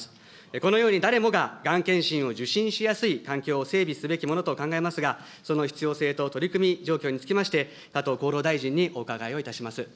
このように誰もががん検診を受診しやすい環境を整備すべきものと考えますが、その必要性と取り組み状況につきまして、加藤厚労大臣にお伺いをいたします。